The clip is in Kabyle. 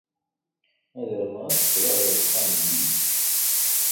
Ad armeɣ ad d-qqleɣ ɣer uxxam zik.